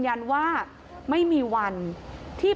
พี่นิ้วหรอกพี่นิ้ว